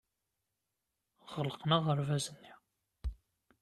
Ɣelqen aɣerbaz-nni.